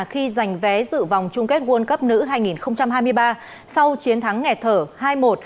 khi giành vé dự vòng chung kết world cup nữ hai nghìn hai mươi ba sau chiến thắng nghẹt thở hai một